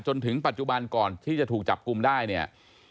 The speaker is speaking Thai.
จนถึงปัจจุบันก่อนที่จะถูกจับกลุ่มได้เนี่ย